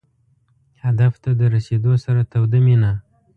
هدف ته د رسېدو سره توده مینه.